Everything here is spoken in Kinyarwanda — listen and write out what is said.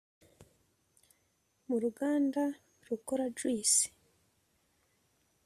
muruganda rukora juice”